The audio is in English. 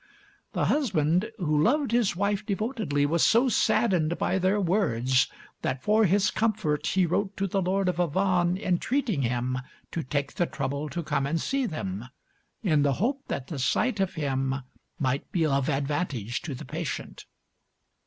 The husband, who loved his wife devotedly, was so saddened by their words that for his comfort he wrote to the Lord of Avannes entreating him to take the trouble to come and see them, in the hope that the sight of him might be of advantage to the patient.